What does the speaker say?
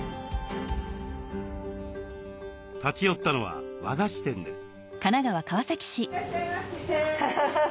立ち寄ったのは和菓子店です。